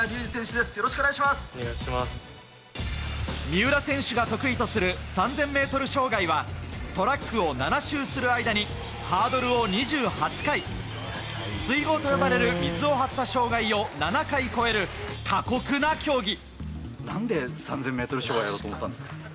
三浦選手が得意とする３０００ｍ障害はトラックを７周する間にハードルを２８回水濠と呼ばれる水を張った障害を７回越える過酷な競技。